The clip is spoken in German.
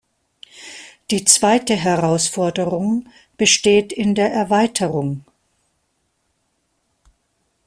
Die zweite Herausforderung besteht in der Erweiterung.